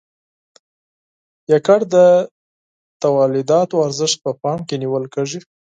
یوازې د تولیداتو ارزښت په پام کې نیول کیږي.